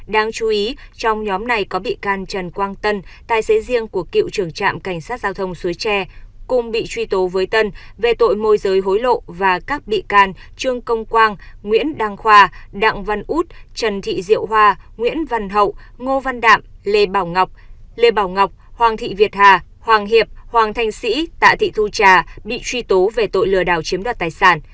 đáng chú ý trong nhóm này có bị can trần quang tân tài xế riêng của cựu trưởng trạm cảnh sát giao thông suối tre cùng bị truy tố với tân về tội môi dối hố lộ và các bị can trương công quang nguyễn đăng khoa đặng văn út trần thị diệu hoa nguyễn văn hậu ngô văn đạm lê bảo ngọc hoàng thị việt hà hoàng hiệp hoàng thanh sĩ tạ thị thu trà bị truy tố về tội lừa đảo chiếm đoạt tài sản